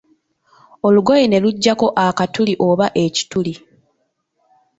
Olugoye ne lujjako akatuli oba ekituli.